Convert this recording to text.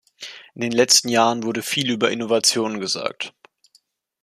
In den letzten Jahren wurde viel über Innovationen gesagt.